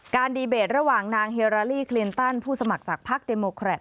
ดีเบตระหว่างนางเฮราลีคลินตันผู้สมัครจากพักเดโมแครต